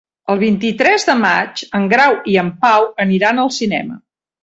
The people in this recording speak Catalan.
El vint-i-tres de maig en Grau i en Pau aniran al cinema.